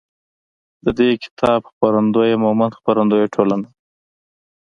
د دې کتاب خپرندویه مومند خپروندویه ټولنه ده.